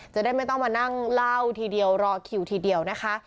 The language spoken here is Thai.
จะได้ไม่ต้องมานั่งเล่าทีเดียวรอคิวทีเดียวนะคะ